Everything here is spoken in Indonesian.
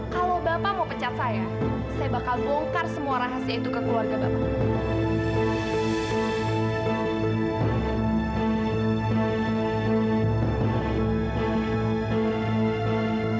kalau bapak mau pecat saya saya bakal bongkar semua rahasia itu ke keluarga bapak